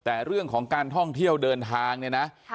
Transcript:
แต่เรื่องของการท่องเที่ยวเดินทางเนี่ยนะ